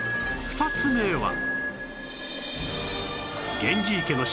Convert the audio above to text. ２つ目は